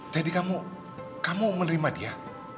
jadi kamu kamu menerima dia